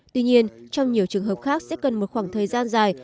tuy nhiên trong nhiều trường hợp khác sẽ cần một khoảng thời gian dài